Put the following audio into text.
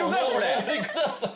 お戻りください！